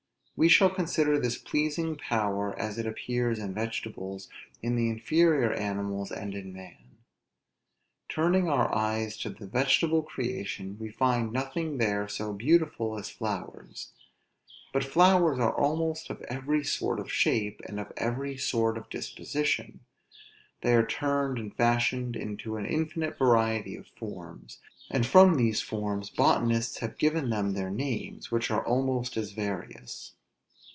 We shall consider this pleasing power as it appears in vegetables, in the inferior animals, and in man. Turning our eyes to the vegetable creation, we find nothing there so beautiful as flowers; but flowers are almost of every sort of shape, and of every sort of disposition; they are turned and fashioned into an infinite variety of forms; and from these forms botanists have given them their names, which are almost as various.